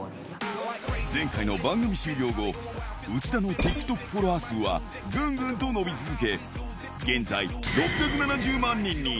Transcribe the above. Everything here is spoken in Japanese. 前回の番組終了後、内田のＴｉｋＴｏｋフォロワー数はぐんぐんと伸び続け、現在、６７０万人に。